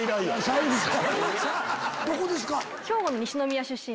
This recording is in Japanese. どこですか？